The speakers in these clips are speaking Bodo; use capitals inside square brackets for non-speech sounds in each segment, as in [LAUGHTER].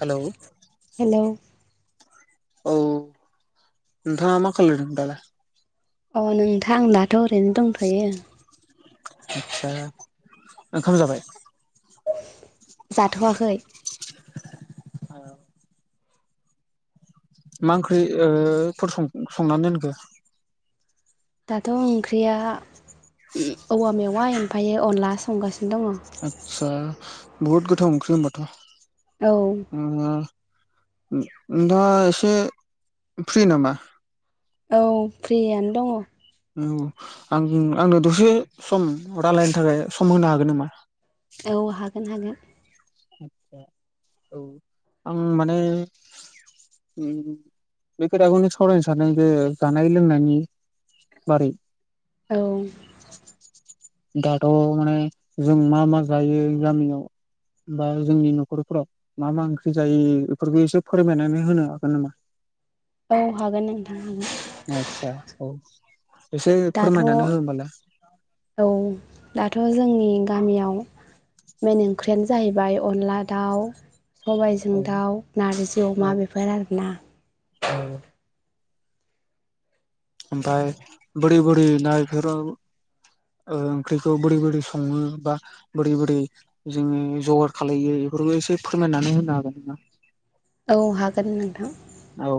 हेलौ हेलौ औ नोंथाङा मा खालामदों दालाय? अ नोंथां आं दाथ ओरैनो दंथयो। आदसा ओंखाम जाबाय? जाथवाखै औ मा ओंख्रि ओ फोर संखो ओ संनानै दोनखो? दाथ ओंख्रिया औवा मेवाइ ओमफायो अनला संगासिनो दङ आतसा बहुत गथाव ओंख्रि होमबाथ औ उम दा एसे फ्रि नामा? औ फ्रियानो दङ औ आं आंनो दसे सम रायलायनो थाखाय सम होनो हागोन नामा? औ हागोन हागोन। आ औ आं माने उम बे खोथाखौनो सावरायनो सान्दों जे जानाय लोंनायनि औ औ दाथ माने जों मा मा जायो गामियाव बा जोंनि नखरफोराव मा मा ओंख्रि जायो बेफोरखौ एसे फोरमायनानै होनो हागोन नामा? औ हागोन नोंथां हागोन आतसा औ एसे दाथ' फोरमायनानै हो होमबालाय औ दाथ जोंनि गामियाव मेन ओंख्रियानो जाहैबाय अनला दाउ सबायजों औ दाउ नारजि अमा बेफोर आरोना औ आमफ्राय बोरि बोरि ना इफोराव ओंख्रिखौ बोरै बोरै सङो बा बोरै बोरै जोङो जगार खालामो बेबो एसे फोरमायनानै होनो हागोन नामा औ हागोन नोंथां औ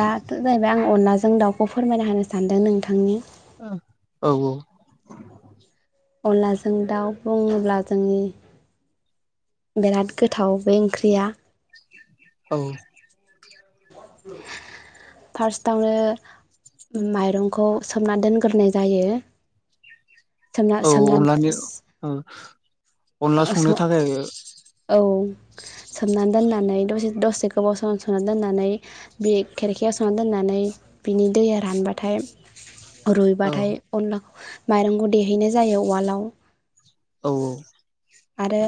दाथ' जाहैबाय आं अनला जों दाउखौ फोरमायना होनो सानदों नोंथांनि ओ औ औ अनलाजों दाउ बुङोब्ला जोंनि बेराद गोथाव बे ओंख्रिया औ फार्स्टआवनो माइरंखौ सोमना दोनग्रोनाय जायो सोमना औ सोमना अनलानि औ अनला संनो थाखाय औ सोमनानै दोननानै दसे दसे गोबाव सम सोमनानै दोननानै बे खेरखायाव सोमनानै दोननानै बिनि दैया रानबाथाय [INAUDIBLE] रुइबाथाय अनलाखौ माइरंखौ देहैनाय जायो उवालाव औ औ आरो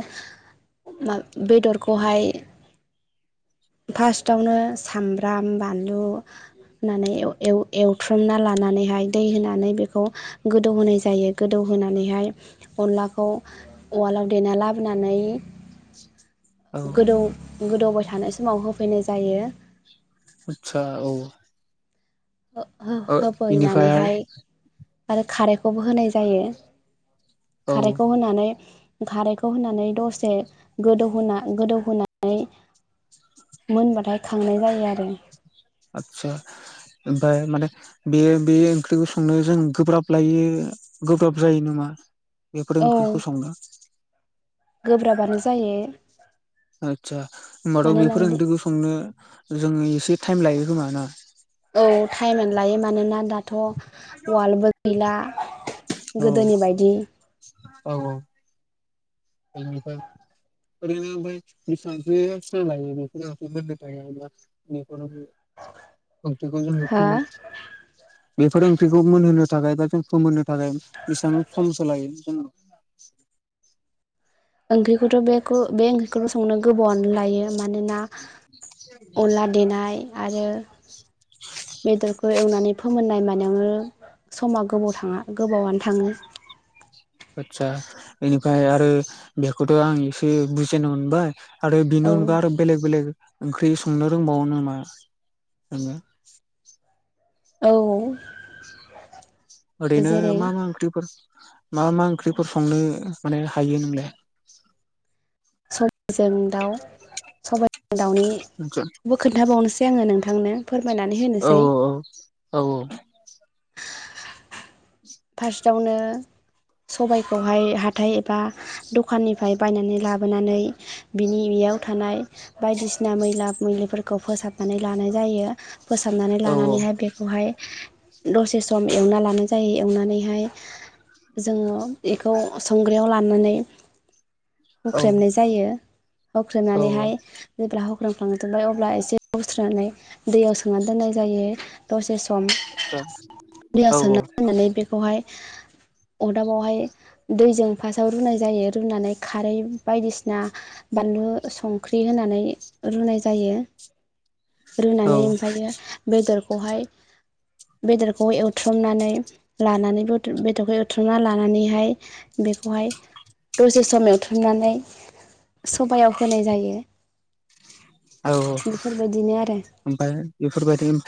बेदरखौहाय फार्स्टावनो सामब्राम बानलु [INAUDIBLE] होनानै एव एव एवथ्रमना लानानैहाय दै होनानै बेखौ गोदौ होनाय जायो गोदौ होन नानैहाय अनलाखौ उवालाव देना लाबोनानै [INAUDIBLE] गोदौ गोदौबाय थानाय समाव होफैनाय जायो आतसा औ हो हो ओ इनिफ्राय होफैनानैहाय आरो खारैखौबो होनाय जायो औ खारैखौ होनानै खारैखौ होनानै दसे गोदौहोना गोदौहोनानै मोनबाथाय खांनाय जायो आरो आदसा ओमफ्राय माने बे बे ओंख्रिखौ संनो जों गोब्राब लायो गोब्राब जायो नामा बेफोर औ ओंख्रिखौ संनो गोब्राबानो जायो आतसा होनबाथ' बेफोर मानोना ओंख्रिखौ संनो जोंङो एसे टाइम लायो खोमा ना औ टाइमानो लायो मानोना दाथ' उवालबो गैला औ गोदोनि बायदि औ औ बेनिफ्राय ओरैनो ओमफ्राय बिसिबांसो सम लायो बेफोर ओंख्रि मोन्नो थाखाय ओंख्रिखौ जोंडो हा फोमोन बेफोर ओंख्रिखौ मोनहोनो थाखाय दा जों फोमोननो थाखाय बेसेबां समसो लायो जों ओंख्रिखौथ' बेखौ बे ओंख्रिखौल' संनो गोबावनो लायो मानोना अनला देनाय आरो बेदरखौ एवनानै फोमोननाय मा नायावनो समा गोबाव थाङा गोबावआनो थाङो आतसा बेनिफ्राय आरो बेखौथ' आं एसे बुजिनो मोनबाय आरो बेनि औ अनगा आरो बेलेग बेलेग ओंख्रि संनो रोंबावयो नामा नोङो औ ओरैनो जेरै मा मा ओंख्रिफोर मा मा ओंख्रिफोर संनो माने हायो नोंलाय सबाइजों दाउ सबाइजों दाउनिबो खोन्थाबावनोसै आङो नोंथां औ औ औ फार्स्टआवनो सबायखौहाय हाथाय एबा दखाननिफ्राय बायनानै लाबोनानै बिनि याव थानाय बायदिसिना मैला मैलिफोरखौ फोसाबनानै लानाय जायो। फोसाबनानै औ लानानैहाय बेखौहाय दसे सम एवना लानाय जायो। एवनानैहाय जोङो इखौ संग्राइयाव लानानै औ हुख्रेमनाय जायो हुख्रेमनानैहाय जेब्ला हुख्रेमखांजोबबाय अब्ला एसे जावस्रोनानै दैयाव सोमनानै दोननाय जायो दसे स औ औ। होननानै बेखौहाय अदाबावहाय दैजों फासआव रुनाय जायो रुनानै खारै बायदिसिना बा बानलु संख्रि होनानै रुनाय जायो। औ रुनानै ओमफ्रायो बेदरखौहाय बेदरखौ एवथ्रमनानै लानानैबो बदर बेदरखौ एथ्रुमना लानानैहाय बेखौहाय दसे सम एवथ्रमनानै सबायाव होनाय जायो। औ औ बेफोरबायदिनो आरो ओमफाय बेफोरबायदि उम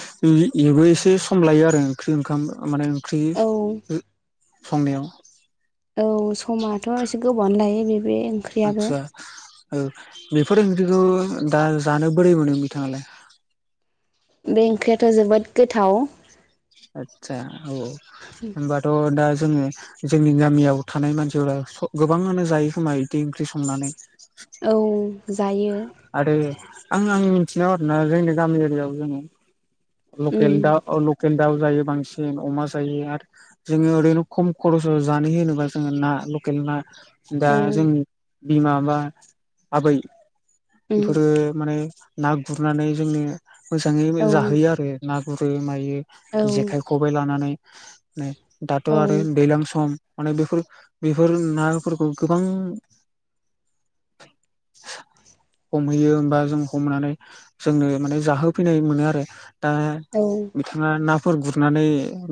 एबो एसे सम लायो आरो ओंख्रि ओंखाम माने ओंख्रि औ संनायाव। औ समाथ' एसे गोबावानो लायो। बे बे ओंख्रियाबो आतसा ओ बे [UNINTELLIGIBLE] दा जानो बोरै मोनो बिथाङालाय? बे ओंख्रियाथ' जोबोद गोथाव। आतसा औ होमबाथ' दा जोङो जोंनि गामियाव थानाय मानसिफोरा स गोबाङानो जायो खोमा बिदि ओंख्रि संनानै। औ जायो। आरो आं आं मिनथिनायाव आरोना जोंनि गामि एरियायाव जोङो लकेल उम दा औ लक केल दाउ जायो बांसिन अमा जायो आरो जोङो ओरैनो खम खरसाव जानो होनोबा जोङो ना। लकेल ना दा औ जोंनि बिमा बा आबै उम बेफोरो माने ना गुरनानै जोंनो मोजाङै मो औ जाहोयो आरो ना गुरो मायो औ जेखाइ खबाइ लानानै नै दाथ' औ आरो दैलां सम। माने बेफोर बेफोर नाफोरखौ गोबां हमहैयो होमबा जों हमनानै जोंनो माने जाहोफैनाय मोनो आरो। दा औ बिथाङा ना फोर गुरनानै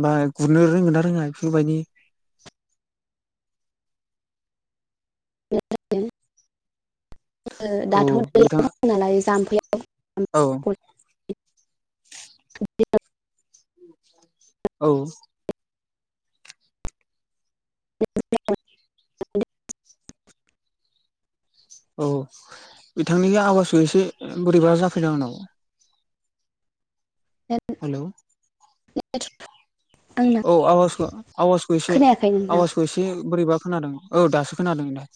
बा गुरनो रोंगोन ना रोङा बेफोरबायदि? [INAUDIBLE] औ दाथ' दै बिथां दं नालाय जाम्फैयाव। औ औ। [INAUDIBLE] औ बिथांनि आवासखौ एसे बोरैबा जाफैदों आंनाव। हेलौ आंना औ आवाजखौ आवाजखौ एसे खोनायाखै नोंथां आवाजखौ एसे बोरैबा खोनादों औ दासो खोनादों दे।